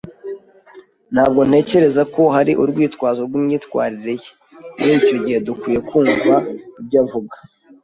Ntabwo ntekereza ko hari urwitwazo rwimyitwarire ye. Muri icyo gihe, dukwiye kumva ibyo avuga